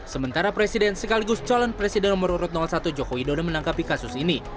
sementara presiden sekaligus calon presiden nomor urut satu jokowi dodo menanggapi kasus ini